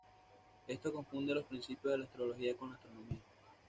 Esto confunde los principios de la astrología con la astronomía.